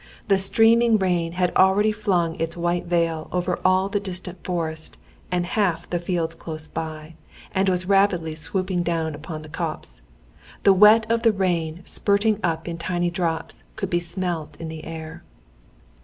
The streaming rain had already flung its white veil over all the distant forest and half the fields close by, and was rapidly swooping down upon the copse. The wet of the rain spurting up in tiny drops could be smelt in the air.